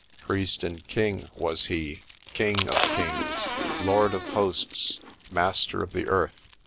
Priest and king was he, king of kings, lord of hosts, master of the earth.